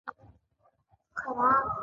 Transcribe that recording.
خو نورو اروپايي پاچاهانو دا کار وکړ.